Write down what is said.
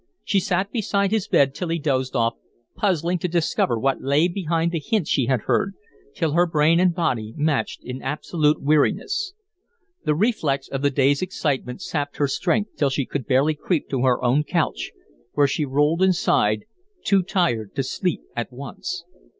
She sat beside his bed till he dozed off, puzzling to discover what lay behind the hints she had heard, till her brain and body matched in absolute weariness. The reflex of the day's excitement sapped her strength till she could barely creep to her own couch, where she rolled and sighed too tired to sleep at once.